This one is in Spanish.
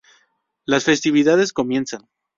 Las festividades comienzan.